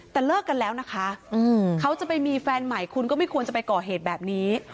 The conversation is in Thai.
แต่เลิกกันแล้วนะคะเขาจะไปมีแฟนใหม่คุณก็ไม่ควรจะไปก่อเหตุแบบนี้